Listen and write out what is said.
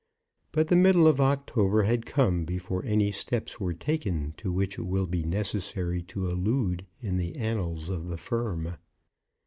But the middle of October had come before any steps were taken to which it will be necessary to allude in the annals of the firm.